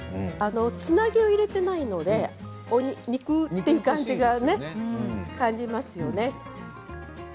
つなぎが入っていないので肉という感じが、感じますよね。